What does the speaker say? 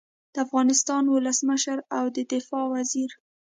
د افغانستان ولسمشر او د دفاع وزیر